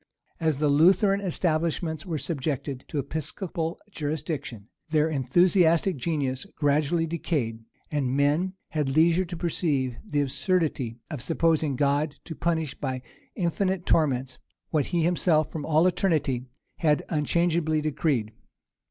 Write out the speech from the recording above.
As the Lutheran establishments were subjected to Episcopal jurisdiction, their enthusiastic genius gradually decayed; and men had leisure to perceive the absurdity of supposing God to punish by infinite torments what he himself from all eternity had unchangeably decreed.